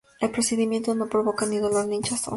El procedimiento no provoca ni dolor ni hinchazón.